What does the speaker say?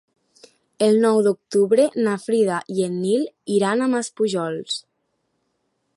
El nou d'octubre na Frida i en Nil iran a Maspujols.